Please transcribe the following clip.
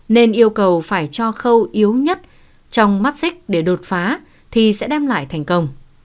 nên yêu cầu phải cho khâu yếu nhất trong mắt xích để đột phá thì sẽ đem lại thành công